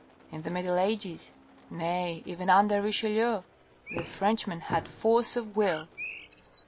In the middle ages, nay, even under Richelieu, the Frenchman had force ofivill.